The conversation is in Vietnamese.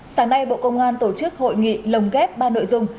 sáng nay bộ công an tổ chức hội nghị lồng ghép ba nội dung